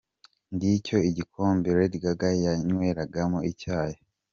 Ngicyo igikombe Lady Gaga yanyweragamo icyayi!.